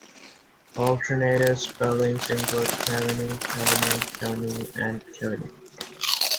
Alternative spellings include Keaveny, Keveney, Keavney, and Kiveney.